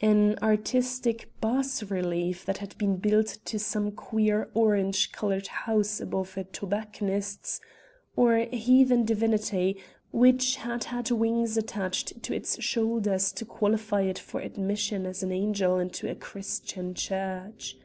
An artistic bas relief that had been built to some queer orange colored house above a tobacconist's, or a heathen divinity which had had wings attached to its shoulders to qualify it for admission as an angel into a Christian church.